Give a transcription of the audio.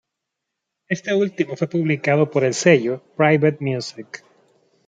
Este último fue publicado por el sello Private Music.